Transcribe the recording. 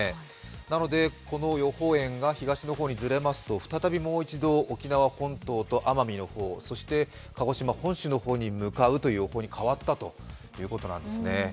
なので予報円が東の方に振れますと再びもう一度沖縄本島と奄美の方、そして鹿児島の方に向かうという方向に変わったということです。